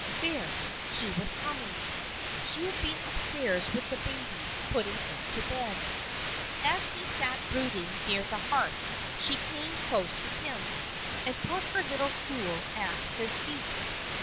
There, she was coming. She had been upstairs with the baby, putting it to bed. As he sat brooding near the hearth, she came close to him, and put her little stool at his feet.